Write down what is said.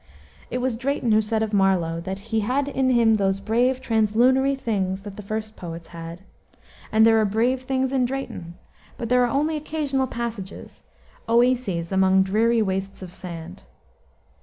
It was Drayton who said of Marlowe, that he "had in him those brave translunary things that the first poets had;" and there are brave things in Drayton, but they are only occasional passages, oases among dreary wastes of sand.